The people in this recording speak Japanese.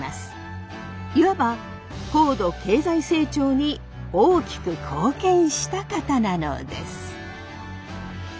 いわば高度経済成長に大きく貢献した方なのです。